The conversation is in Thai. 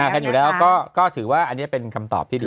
กันอยู่แล้วก็ถือว่าอันนี้เป็นคำตอบที่ดี